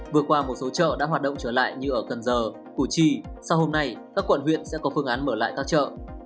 vừa qua một số chợ đã hoạt động trở lại như ở cần giờ củ chi sau hôm nay các quận huyện sẽ có phương án mở lại các chợ